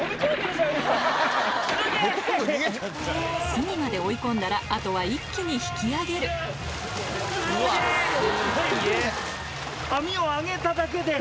隅まで追い込んだらあとは一気に引き揚げる網をあげただけで。